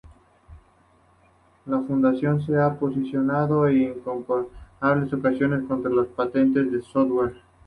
La Fundación se ha posicionado en incontables ocasiones contra las patentes de software.